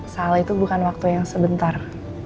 salah itu bukan waktu yang sebentar